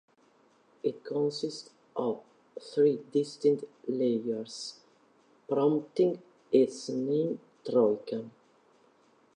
It consists of three distinct layers, prompting its name "Troika".